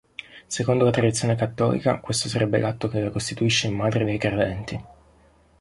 Secondo la tradizione cattolica questo sarebbe l'atto che la costituisce Madre dei credenti.